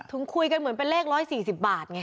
ถูกคุยกันเหมือนเลข๑๔๐บาทไง